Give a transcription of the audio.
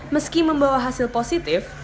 meski membawa hasil positif